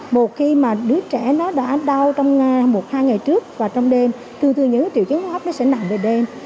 một khi mà đứa trẻ nó đã đau trong một hai ngày trước và trong đêm tư thư những triệu chứng hô hấp nó sẽ nặng về đêm